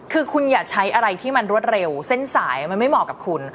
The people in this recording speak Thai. คือคุณอย่าใช้อะไรที่มันรวดเร็วเส้นสายมันไม่เหมาะกับคุณ